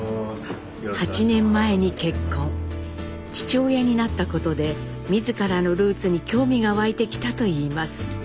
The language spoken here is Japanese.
８年前に結婚父親になったことで自らのルーツに興味が湧いてきたといいます。